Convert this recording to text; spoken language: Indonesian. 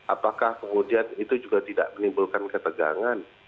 apakah kemudian itu juga tidak menimbulkan ketegangan